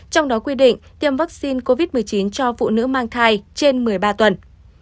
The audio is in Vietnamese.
trong đó quy định tiêm vaccine covid một mươi chín cho phụ nữ mang thai trên một mươi ba tuần